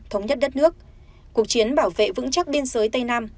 thống nhất đất nước cuộc chiến bảo vệ vững chắc biên giới tây nam